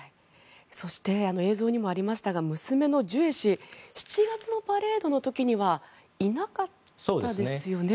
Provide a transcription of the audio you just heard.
そして映像にもありましたが娘のジュエ氏７月のパレードの時にはいなかったですよね。